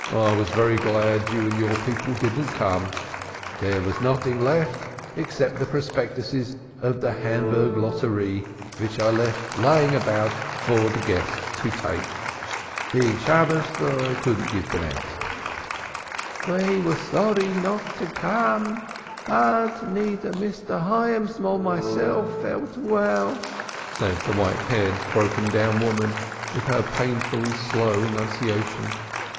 "I was very glad you and your people didn't come; dere was noding left except de prospectuses of the Hamburg lotter_ee_ vich I left laying all about for de guests to take. Being Shabbos I could not give dem out." "We were sorry not to come, but neither Mr. Hyams nor myself felt well," said the white haired broken down old woman with her painfully slow enunciation.